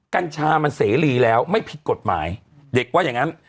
กัญชามันเสรีแล้วไม่ผิดกฎหมายเด็กว่าอย่างงั้น